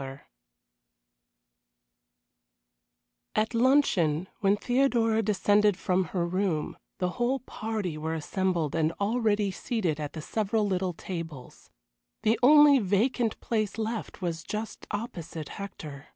XXVI At luncheon, when Theodora descended from her room, the whole party were assembled and already seated at the several little tables. The only vacant place left was just opposite Hector.